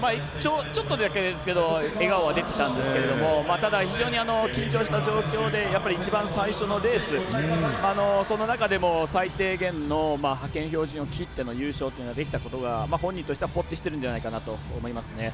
ちょっとだけですけど笑顔は出てたんですけどただ非常に緊張した状況で一番最初のレースその中でも最低限の派遣標準を切っての優勝っていうのができたことが本人としてはほっとしてるんじゃないかと思いますね。